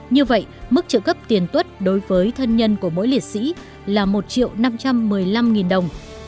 như vậy mức trợ cấp tiền tuất đối với thân nhân của mỗi liệt sĩ là một triệu năm trăm một mươi năm nghìn đồng